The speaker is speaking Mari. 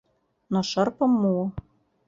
Но шырпым муо.